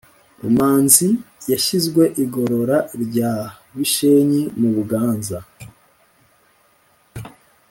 rumanzi yashyizwe igorora rya bishenyi mu buganza,